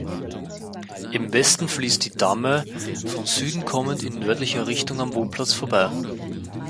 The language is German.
Im Westen fließt die Dahme von Süden kommend in nördlicher Richtung am Wohnplatz vorbei.